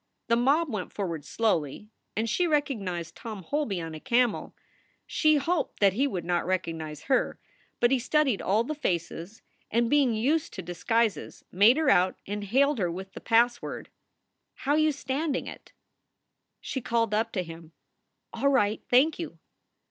The mob went forward slowly and she recognized Tom Holby on a camel. She hoped that he would not recognize her, but he studied all the faces and, being used to disguises, made her out and hailed her with the password: "How you standing it?" She called up to him: "All right, thank you."